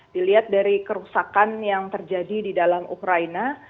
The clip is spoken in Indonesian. dilihat dari kerusakan yang terjadi di dalam ukraina